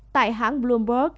tại hãng bloomberg